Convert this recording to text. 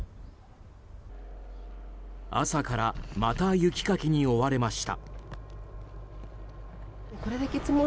朝からまた雪かきに追われました。